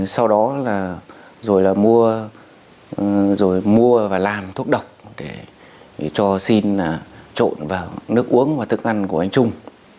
sau đó là rồi là mua rồi mua và làm thuốc độc để cho xin trộn vào nước uống và thức ăn của anh trung